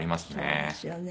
そうですよね。